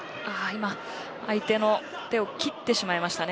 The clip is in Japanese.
今は相手の手を切ってしまいました。